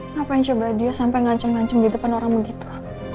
ngapain coba dia sampai ngancem ngancem di depan orang begitu